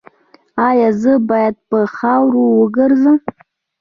ایا زه باید په خاورو وګرځم؟